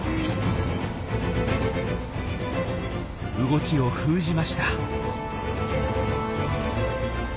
動きを封じました。